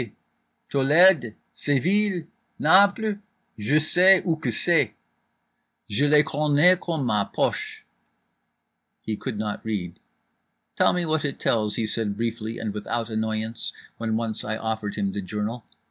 _ Tolède? Seville? Naples? Je sais où que c'est. Je les connais comme ma poche." He could not read. "Tell me what it tells," he said briefly and without annoyance, when once I offered him the journal.